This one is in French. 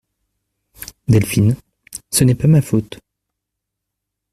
Delphine Ce n'est pas ma faute …